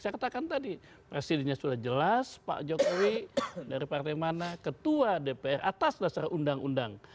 saya katakan tadi presidennya sudah jelas pak jokowi dari partai mana ketua dpr atas dasar undang undang